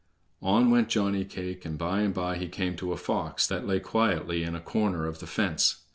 On went Johnny cake, and by and by he came to a fox that lay quietly in a corner of the fence.